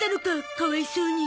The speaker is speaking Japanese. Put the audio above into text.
かわいそうに。